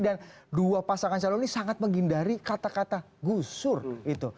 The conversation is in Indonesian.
dan dua pasangan calon ini sangat menghindari kata kata gusur gitu